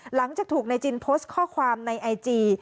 หลังจากถูกนายจินโพสต์ข้อความในไอจี